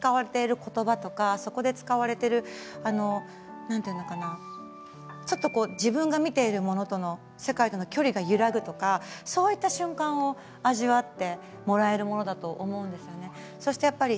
そこで使われていることばとか自分が見ているものとの世界の距離が揺らぐとかそういった瞬間を味わってもらえるものだと思うんですね。